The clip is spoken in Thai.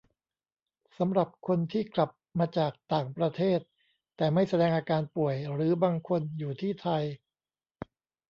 สำหรับคนที่กลับมาจากต่างประเทศ แต่ไม่แสดงอาการป่วย หรือบางคนอยู่ที่ไทย